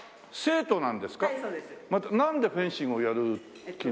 なんでフェンシングをやる気に。